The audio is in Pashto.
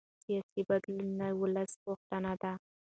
سیاسي بدلون ولسي غوښتنه ده